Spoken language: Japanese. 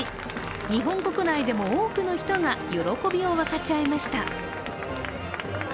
日本国内でも多くの人が喜びを分かち合いました。